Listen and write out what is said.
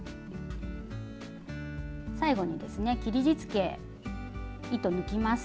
最後にですね切りじつけ糸抜きます。